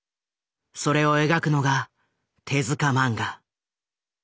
それを描くのが手漫画。